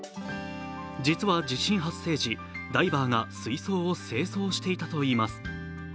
実は、地震発生時、ダイバーが水槽を清掃していたといいいます。